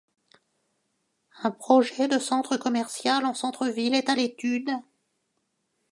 Un projet de centre commercial en centre-ville est à l’étude.